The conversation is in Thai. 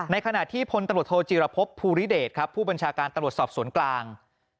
ขณะที่พลตำรวจโทจีรพบภูริเดชครับผู้บัญชาการตำรวจสอบสวนกลาง